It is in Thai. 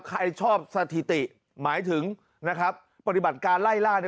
ใครชอบสถิติหมายถึงนะครับปฏิบัติการไล่ล่า